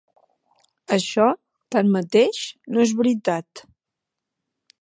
Això, tanmateix, no és veritat.